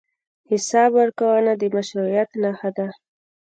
حساب ورکونه د مشروعیت نښه ده.